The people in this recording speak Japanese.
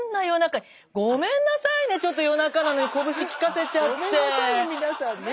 ごめんなさいねちょっと夜中なのにこぶしきかせちゃって。